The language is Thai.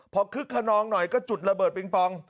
พอคึกขนองหน่อยก็จุดระเบิดปิงปอง